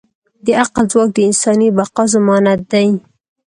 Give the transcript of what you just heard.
د عقل ځواک د انساني بقا ضمانت دی.